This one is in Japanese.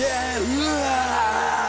うわ！